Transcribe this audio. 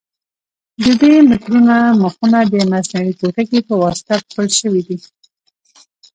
د دې مترونو مخونه د مصنوعي پوټکي په واسطه پوښل شوي دي.